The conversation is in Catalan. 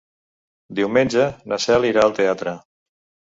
Diumenge na Cel irà al teatre.